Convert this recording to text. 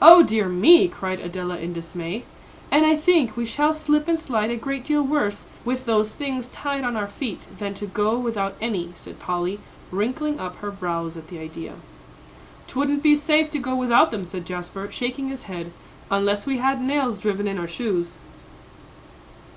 "O dear me!" cried Adela, in dismay. "And I think we shall slip and slide a great deal worse with those things tied on our feet, than to go without any," said Polly, wrinkling up her brows at the idea. "'Twouldn't be safe to go without them," said Jasper, shaking his head, "unless we had nails driven in our shoes."